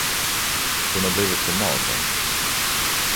Hon har blivit så mager.